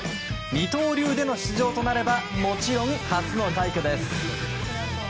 二刀流での出場となればもちろん初の快挙です。